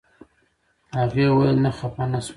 هغې ویل نه خپه نه شوم.